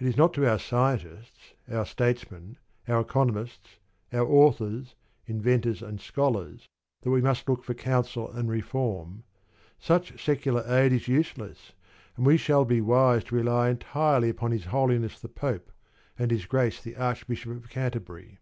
It is not to our scientists, our statesmen, our economists, our authors, inventors, and scholars that we must look for counsel and reform: such secular aid is useless, and we shall be wise to rely entirely upon His Holiness the Pope and His Grace the Archbishop of Canterbury.